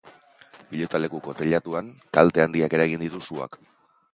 Pilotalekuko teilatuan kalte handiak eragin ditu suak.